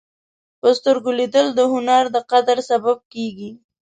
په سترګو لیدل د هنر د قدر سبب کېږي